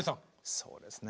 そうですね。